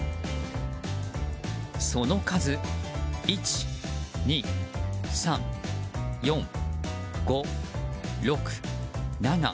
その数１、２、３、４、５、６、７。